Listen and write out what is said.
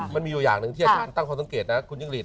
มันมีอยู่อย่างหนึ่งที่ตั้งความสังเกตนะคุณยิ่งหลีด